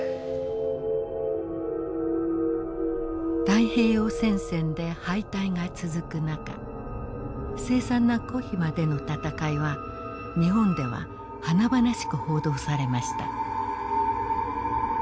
太平洋戦線で敗退が続く中凄惨なコヒマでの戦いは日本では華々しく報道されました。